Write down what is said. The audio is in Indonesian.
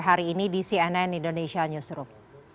hari ini di cnn indonesia newsroom